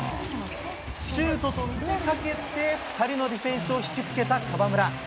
シュートと見せかけて２人のディフェンスを引きつけた河村。